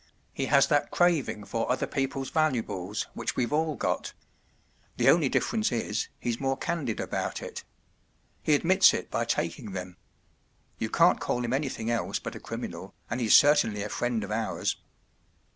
He has that craving for other people’s valuables which we’ve all got. The only difference is, he’s more candid about it. He admits it by taking them. You can’t call him anything else but a criminal, and he’s certainly a friend of ours.